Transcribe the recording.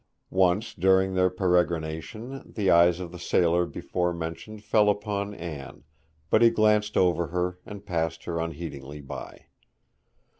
Once during their peregrination the eyes of the sailor before mentioned fell upon Anne; but he glanced over her and passed her unheedingly by.